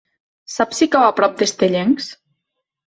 Saps si cau a prop d'Estellencs?